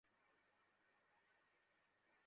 কিন্তু, এটা খুবই শুষ্ক।